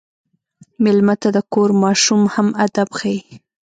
مېلمه ته د کور ماشوم هم ادب ښيي.